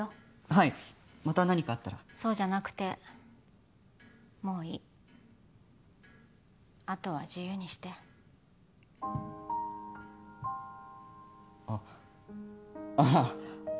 はいまた何かあったらそうじゃなくてもういいあとは自由にしてあっああ